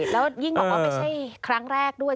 แล้วยิ่งบอกว่าไม่ใช่ครั้งแรกด้วย